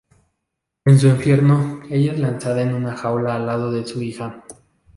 En su infierno, ella es lanzada en una jaula al lado de su hija.